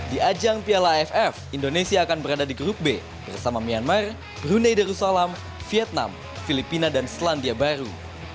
di ajang piala aff indonesia akan berada di grup b bersama myanmar brunei darussalam vietnam filipina dan selandia baru